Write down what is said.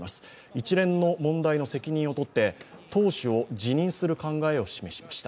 一連の問題の責任を取って、党首を辞任する考えを示しました。